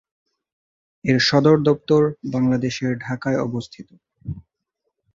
এর সদরদপ্তর বাংলাদেশের ঢাকায় অবস্থিত।